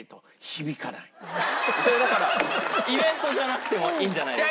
それだからイベントじゃなくてもいいんじゃないですか？